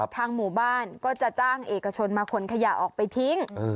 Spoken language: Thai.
ทางหมู่บ้านก็จะจ้างเอกชนมาขนขยะออกไปทิ้ง